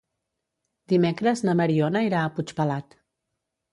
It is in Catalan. Dimecres na Mariona irà a Puigpelat.